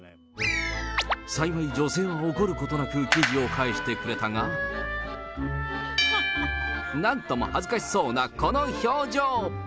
幸い、女性は怒ることなく生地を返してくれたが、なんとも恥ずかしそうなこの表情。